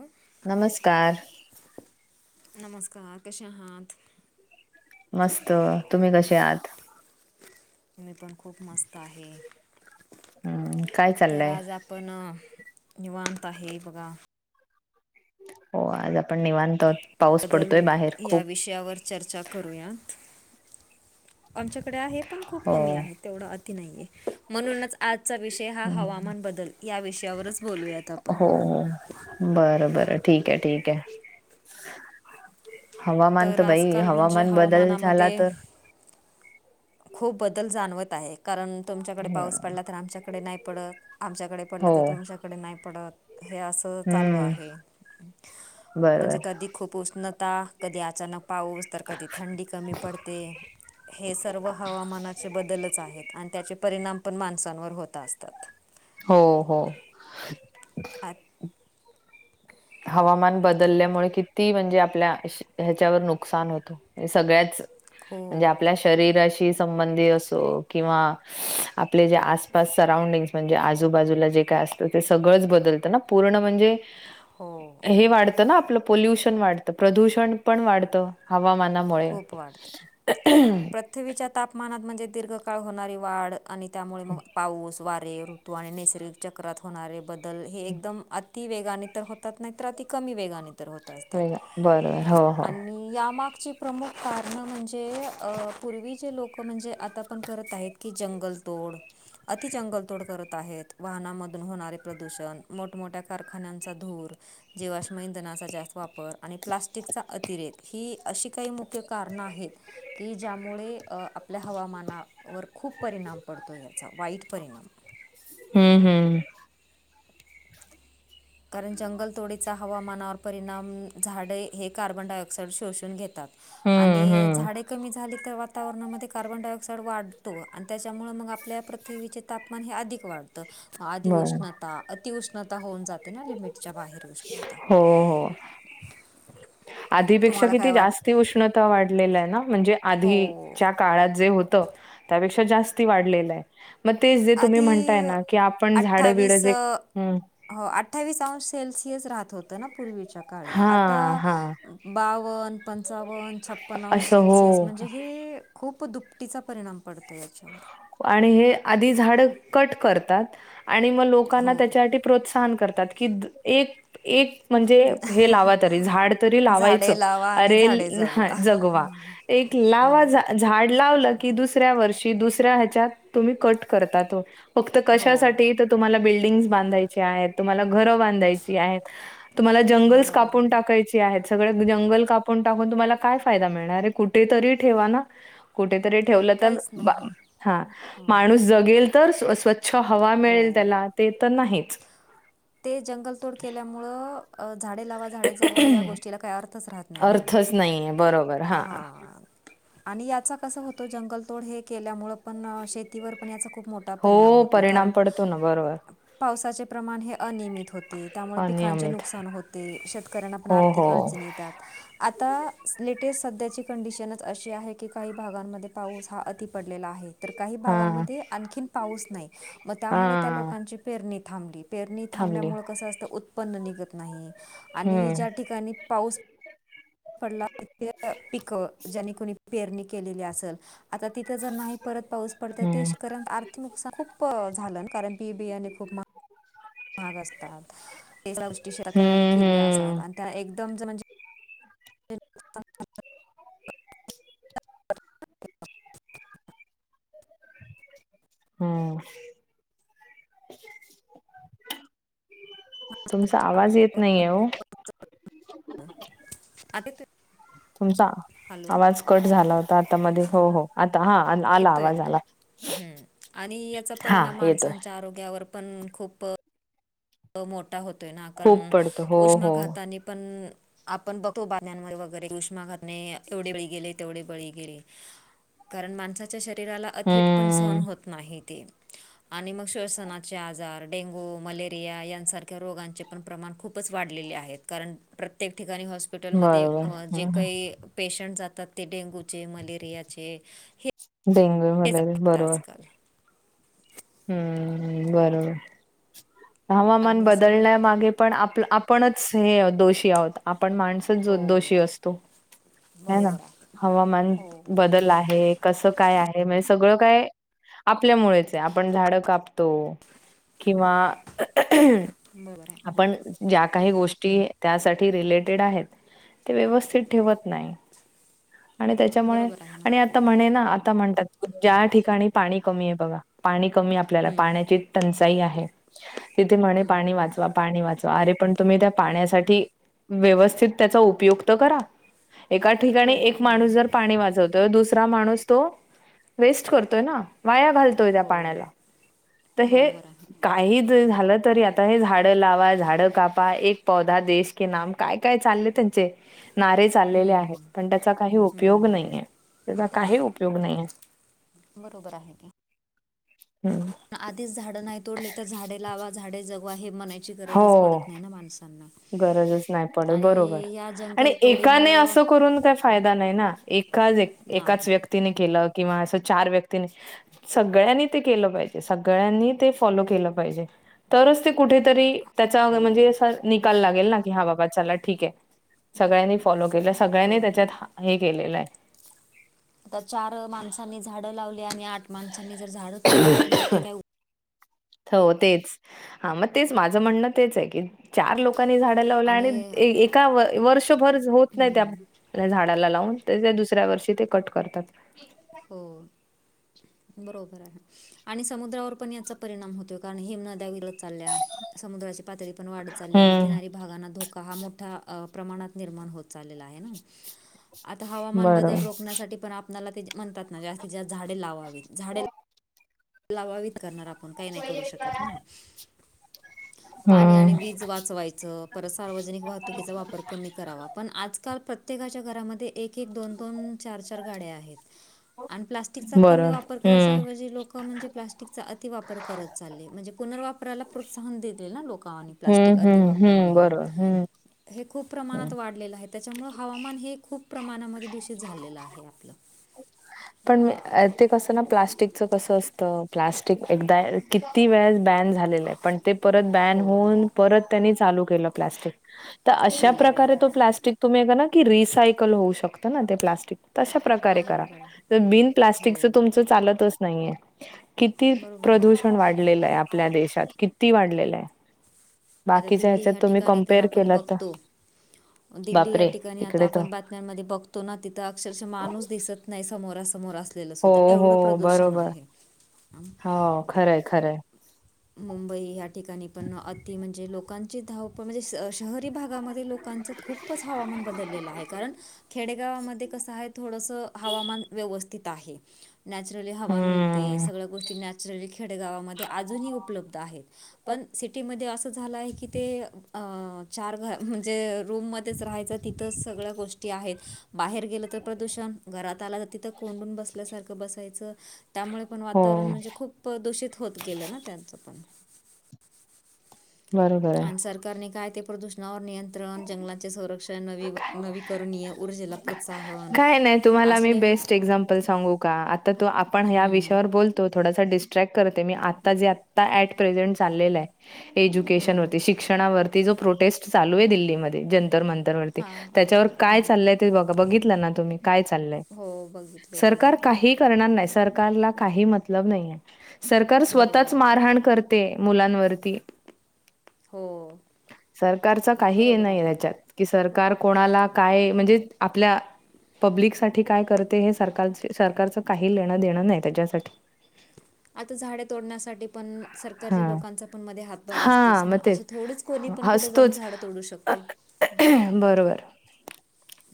हो. नमस्कार. नमस्कार कसे आहात? मस्त तुम्ही कसे आहात? मी पण खूप मस्त आहे. हम्म काय चाललंय? पण निवांत आहे बघा. हो आज आपण निवांतोत. बदल या विषयावर चर्चा करूयात आमच्याकडे आहे पण खूप हो कमी आहेत. तेवढा अत नाहीये म्हणूनच आजचा विषय े हा हम्म, हवामान बदल या विषयावरच बोलूयात आपण बर बर ठीक आहे ठीक आहे. हवामान तर भाई आजकाल म्हणजे हवामान बदल झाला हवामानामध्ये तर खूप बदल जाणवत आहे कारण तुमच्याकडे हो पाऊस पडला तर आमच्याकडे नाही पडत आमच्याकडे हो. तर तुमच्याडे नाही पत चालू हम्म आहे, म्हणजे बरोबर कधी खूप उष्णता, कधी अचानक पाऊस तर, कधी थंडी कमी पडते. हे सर्व हवामानाचे बदलच आहेत, आणि त्याचे परिणाम पण माणसांवर होत असतात. हो हो. हा हवामान बदलल्यामुळे कि म्हणजे आपल्या, ह्याच्यावर नुकसान होत, सगळयाच, म्हणजे खूप आपल्या शरीराशी संबंधी असो, किंवा आपले जे आसपास सराउंडिंग, म्हणजे आजूबाजूला जे काय असतं ते, सगळंच बदलतं ना. पूर्ण म्हणजे हो. हे वाढतं ना, आपलं पल्युशन वाढत, प्रदूषण पण वाढतं हवामाना मुळे खूप वाढतं [unintelligible] पृथ्वीच्या तापमानात म्हणजे दीर्घकाळ होणारी वाढ, आणि त्यामुळे म पाऊस वारे तो आणि, निसर्ग चक्रात होणारे बदल, हे एकदम आत ती वेगाने तर होतात, नाही तर अती कमी वेगाने तर होत असतात, वेग- बरोबर हो हो आणि यामाग प्रमुख कारण म्हणजे, अ पूर्वी जे लोक म्हणजे, आता पण करत आहेत, की जंगलतोड अति जंगलतोड करत आहेत, वाहनामधून होणारे प्रदूषण, मोठमोठ्या कारखान्यांचा धूर जीवाश्म इंधनाचा जास्त वापर, आणि प्लास्टिकचा अतिरेक, ही अशी काही मुख्य कारणे आहेत, की ज्यामुळे आपल्या हवामानावर खूप परिणाम पडतो याचा, वाईट परिणाम. हम हम. [inaudible] कारण जंगलतोडीचा हवामानावर परिणाम, झाडे हे कार्बन डायऑक्साइड शोषून घेतात. हम्म आणि हम्म झाडे कमी झाली तर वा वातावरणामध्ये कार्बन डाय ऑक्साइड वाढतो, आणि त्याच्यामुळ मग आपल्या पृथ्वीचे तापमान हे अधिक वाढतं. त आधी बर उष्णता, अतिउष्णाता होऊन जाते ना, लिमिटच्या बाहेर उष्णता हो हो, आधीपेक्षा तुम्हाला काय किती वाट जास्त ती उष्णता वाढलेल हाय ना, म्हणजे हो आधीच्या काळात जे होत, त्यापेक्षा जास्ती वाढलेलंय. म ते जे तुम्ही म्हणताय आधी ना, की आपण झाडं बिड जे हं, अठ्ठावीस अंश सेल्सिअस राहत होतं ना, पूर्वीच्या काळी आता हा हा बावन, पंचावन्न, छप्पन्न अंश असं सेल्सिअस हो. म्हणजे हे खूप दुपटीचा परिणाम पडतो याच्यावर. आणि हे आधी झाड कट करतात, आणि मग लोकांना हो त्याच्यासाठी प्रोत्साहन करतात, की एक एक म्हणजे हे लावा तरी, झाड तरी लावायचं, झाडे लावा आणि अरे झाडे ह जगवा जगवा. एक लावा हो झा झाड लावलं की, दुसऱ्या वर्षी दुसऱ्या ह्याच्यात, तुम्ही कट करतात. फक्त हो कशासाठी, तर तुम्हाला बिल्डिंगस बांधायची आहेत, तुम्हाला घरं बांधायची आहेत. तुम्हाला जंगल्स बरोबर कापून आहे टाकायचे हे आहेत, सगळ जंगल कापून टाकून तुम्हाला काय फायदा मिळणार आहे, कुठे तरी ठेवा ना. कुठेतरी ठेवलं तर, काहीच नाही हा माणूस जगेल तर स्व छ हवा मिळेल हो त्याला, ते तर नाहीच ते जंगलतोड केल्यामुळ, अ झाडे लावा झाडे जगवा, या गोष्टीला काही अर्थच राहत नाही ना, अर्थच नाहीये. बरोबर. हां. हा. आणि याचा कस होत, जंगलतोड हे केल्यामुळ, पण शेतीवर पण याचा खूप मो ता परिणाम हो, होतोय, परिणाम कारण पडतो ना. बरोबर. पावसाचे प्रमाण हे अनयमित होत ते त्यामुळे पिकांचे अनियमित. नुकसान होते, शेतकऱ्यांना पण हो, हो. आर्थिक अडचणी येतात. आता लेटेस्ट सध्याची कंडिशनच अशी आहे की काही भागांमध्ये पाऊस हा अति पडलेला आहे. तर काही हां, भागांमध्ये आणखीन पाऊस नाही मग त्यामुळे त्या हां. लोकांची पेरणी थांबली. पेरणी थांबली. थांबल्यामुळ कस असतं उत्पन्न निघत नाही आणि हं, ज्या ठिकाणी पाऊस पडला इथ पीक ज्याने कुणी पेरणी केलेली असेल आता तिथं जर नाही परत पाऊस पडत हं. तेऱ आर्थिक नुकसान खू झालं कारण बी बियाणे खूप महाग महाग असतात् ते सगळ्या गोष्टी सहकार्य णे हं, केल्या असतात. हं. आणी ते एकदम जर म्हणजे ह [unintelligible] हो. तुमचा आवाज येत नाही ओ. आता येतोय. तुमचा हॅलो आवाज कट झाला होता आता मध्ये हो हो आता हा आला येतोय आवाज आला. ह आणि याचा हां, परिणाम येतोय. माणसांच्या आरोग्यावर पण खूप तो मोठा होतोय ना खूप कारण पडतो. हो, उष्मा हो. घातानी पण आपण बघतो बातम्या मध्ये वगैरे उष्मा घाताने एवढे बळी गेले तेवढे बेळी गेले. कारण माणसाच्या शरीराला अतिट पण सहन हं. होत नाहीत. आणी मग स्वसणाचे आजार, डेंगू, मलेरि या सारख्या रोगाचे पण प्रमाण खूप च वाढलेले आहे कारण प्रत्येक ठिकाणी हॉस्पि हॉस्पिटलमध्ये बरोबर. जे हं, हं. काही पेशंट जातात ते डेंगूचे, मलेरियाचे हे डेंग्यू हेच मलेरिया आहेत बरोबर. आजकाल हम्म बरोबर हवामान आणि समु बदलण्यामागे पण आप आपणच हे दोषी आहोत आपण माणस दोषी हो असतो ह ना बरोबर आहे हवामान हो बदल आहे. कसं काय आहे म्हणजे सगळं काय आपल्यामुळेच आहे. आपण झाड कापतो किंवा बरं. आपण ज्या काही गोष्टी त्यासाठी रिलेटेड आहेत ते व्यवस्थित ठेवत नाही. आणि त्याच्यामुळे बरोबर आहे ना आणि आ आ म्हणे ना आता म्हणतात ज्या ठिकाणी पाणी कमी आहे बघा पाणी कमी आपल्याला पाण्याची टंचाई आहे तिथे म्हणे पाणी वाचवा. पाणी वाचवा अरे पण तुम्ही त्या पाण्यासाठी व्यवस्थित त्याचा उपयोग तर करा. एका ठिकाणी हो एक बरोबर माणूस आहे जर पाणी वाचवतो. तर दुसरा माणूस तर वेस्ट करतो ना वाया घालवतो. हो पाण्याला हे बरोबर आहे काही. झालं तरी आता हे झाडं लावा झाडं कापा एक पौधा देश के नाम काय काय चालले त्यांचे नारे चाललेले आहेत हम्म, पण त्याचा काही उपयोग नाही आहे त्याचा काही उपयोग नाहीे. बरोबर आहे ते. हम्म. आधीच झाडं नाही तोडले तर झाडे लावा झाडे जगवा हे म्हनायची गरजच हो. पडत नाही ना माणसांना गरजच नाही पडत बरोबर. आणि या आणि एकाने जंगलतोडीमुळं असं करून काय फायदा नाही ना एका एकाच नाही व्यक्ती व्यक्ती केलं किंवा अस चार व्यक्ती सगळ्यांनी ते केलं पाहिजे सगळ्यांनी ते फॉलो केलं पाहिजे. तरच ते कुठेतरी त्याचा हो म्हणजे निकाल लागेल क हा बाबा चला ठीके सगळ्यांनी फॉलो केलं सगळ्यां बरोबर आहे त्याच्यात हा हे केलेलं आहे. आता चार माणसांनी झाडं लावली आणि आठ माणसांनी जर झाडं तोडले तर मग ते काय हो तेच हा मग तेच माझं म्हणणं तेच आहे की चार लोक लोकांनी झाड लावला आणि एका वर्षभर होत नाही त्या हम्म, त्या झाडाला लावून त्या दुसऱ्या वर्षी ते कट करतात हो बरोबर आहे आणि समुद्रावर पण याचा परिणाम होतोय कारण हि नद्या वि चालल्या समुद्राची पातळी पण वाढत चालली आणि हम्म किनारी भागांना धोका हा मोठ्या प्रमाणात निर्माण होत चाललेला आहे ना आता हवामान बदल बरोबर रोखण्यासाठी पण आपनाला ते म्हणतात ना जास्तीत जास्त झाडे लावावीत झाडे लावावीत करणार आप आपण काही नाही करू शकत ना पाणी आणि हम्म वीज वाचवायचं परत सार्वजनिक वाहतुकीचा वापर कमी करावा पण आजकाल प्रत्येकाच्या घरामध्ये एक एक दोन दोन चार चार गाड्या आहेत आणि प्लास्टिकचा बरोबर कमी वापर करायच्या हम्म ऐवजी लोक म्हणजे प्लास्टिक चा अतिवापर करत चाले म्हणजे पुनर्वापराला प्रोत्साहन दिले ना लोक आणि प्लास्टिक हम्म अति हम्म हम्म वापरणे बरोबर हम्म हे खूप प्रमाणात हम्म वाढलेलं आहे त्याच्यामुंळ हवामान हे खूप प्रमाणामध्ये दूषित झालेलं आहे आपलं पण ते कस ना प्लास्टिकचं कस असतं प्लास्टिक एकदा किती वेळा बॅन झालेलं आहे पण परत बॅन हो होऊन परत चालू केलं प्लास्टिक केलेलं आहे तुम्ही का ना की रिसायकल होऊ शकता ना ते प्लास्टिक तशा प्रकारे करा बरोबर आहे बिन हो प्लास्टिक चं तुमच चालतच नाहीय किती बरोबर आहे प्रदूषण वाढलेलं आहे आपल्या देशात किती वाढलेलं आहे आता बाकीच्या दिल्ली ह्याच्यात ह्या तुम्ही ठिकाणी तर कम्पेअर आपण केलं तर बघतो दिल्ली या बापरे ठिकाणी आता तिकडे तर आपण बात म्यामध्ये बघतो ना तिथं अक्षरश माणूस दिसत नाही समोरासमोर असलेलं हो सुधा हो एवढं प्रदूषण बरोबर आहे हो खरंय खरंय मुंबई या ठिकाणी पण अति म्हणजे लोकांची धावपण म्हणजे शहरी भागामध्ये लोकांच खूपच हवामान बदललेलं आहे कारण खेडेगावामध्ये कसं आहे थोडंसं हवामान व्यवस्थित आहे नॅचरली हवा मिळते हम्म सगळ्या गोष्टी नॅच रली खेडीगावामध्ये अजूनही उपलब्ध आहेत पण सिटीमध्ये अस झालंय की ते चार घर म्हणजे रूम मध्येच राहायचं तिथंच सगळ्या गोष्टी आहेत बाहेर गेलं तर प्रदूषण घरात आलं तिथं कोंडून बसल्यासारखं बसायचं त्यामुळे पण हो वातावरण म्हणजे खूप दूषित होत गेलं ना त्यांचं पण बरोबर आहे आणि सरकारने काय ते प्रदूषणावर नियंत्रण जंगलाचे संरक्षण नवी नवीकरणीय ऊर्जेला प्रोत्साहन काय नाही तुम्हाला मी असले बेस्ट एक्झाम्पल सांगू का आता तू आपण ह्या विषयावर बोलं तो थोडासा डिस्ट्रॅक्ट करते मी आता जे आता ऍट प्रेंजेंट चाललेला हाय एज्युकेशन वरती शिक्षणावरती जो प्रोटेस्ट चालू आहे दिल्लीमध्ये जंतर मंत हां त्याच्यावर काय हां चाललंय ते बघा बघित लं ना तुम्ही काय चालंय हो बघितले सरकार काहीही बघितलेलं करणार नाही सर सरकारला काही मतलब नाही सरकार बरोबर स्वतःच आहे मारहाण करते मुलांवरती हो सरकारचा काहीही बरोबर नाही आहे हेच्यात कि सरकार कोणाला काय म्हणजे आपल्या [inaudible] पब्लिकसाठी काय करते हे सरकार सरकारचं काही लेणं देणं नाही त्याच्यासाठी आता झाडे तोडण्यासाठी पण सरकारच्या हा लोकांचा पण मध्ये हातभार असतोच हा ना मग असं तेच थोडंच कोणी पण कुठे जाऊन असतोच झाडं तोडू शकतो बरोबर.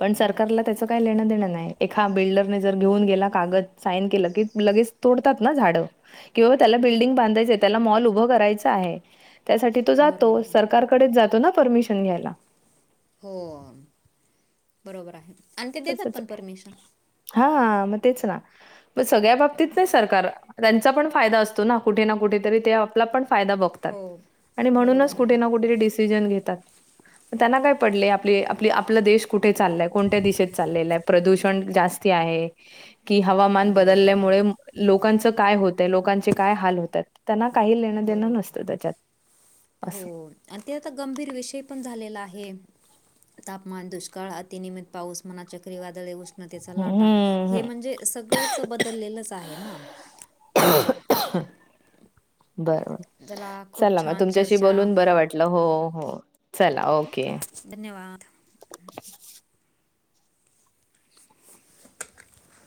पण सरकारला त्याच काही लेणं देणं नाही एका बिल्डरने जर घेऊन गेला कागद साईन केलं की लगेच तोडतात ना झाडं किंवा त्याला बिल्डिंग बांधायचं त्याला मॉल उभं करायचं आहे त्यासाठी तो जातो बरोबर आहे सरकारकडेच जातो ना परमिशन घ्यायला हो बरोबर आहे आणि ते देतात तसच पण आहे. परमिशन हा मग तेच ना मग सगळ्या बाबतीत नाही सरकार तेचा पण फायदा असतो ना कुठे ना कुठेेतरी ते आपला पण फायदा बघतात हो आणि म्हणूनच बरोबर कुठे आहे ना कुठे डिसिजन घेतात. तेना काय पडलय आपली आपली आपला देश कुठे चाललाय कोणत्या दिशेत चालले लाय प्रदूषण जास्ती आहे कि हवामान बरोबर आहे बदल्यामुळे लोकाचं काय होतय लोकांचे काय हाल होतात. त्यांना काही लेणं देणं बरोबर नसतं तेच्यात असं. हो आणि ते आता गंभीर विषय पण झालेला आहे. तापमान दुष्काळात इनिमित पाऊस मना चक्रीवादळे उस ष्णतेचा लाटा हे हम्म. म्हणजे सगळचं बदललेलंच आहे ना. बरं बरं. खूप चला म छान तुमच्याशी चर्चा बोलून बरं वाटलं हो हो चला ओके. धन्यवाद.